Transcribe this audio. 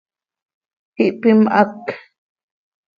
Ihpimhác.